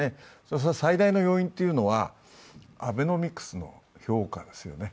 最大の要因というのは、アベノミクスの評価ですよね。